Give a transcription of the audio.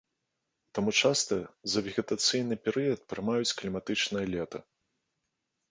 Таму часта за вегетацыйны перыяд прымаюць кліматычнае лета.